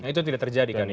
nah itu tidak terjadi kan ya